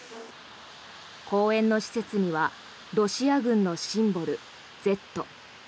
公園の施設にはロシア軍のシンボル「Ｚ」。